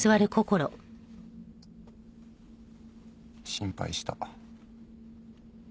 心配した。